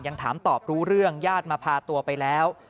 ยังถามตอบรู้เรื่องญาติมาพาตัวไปแล้ว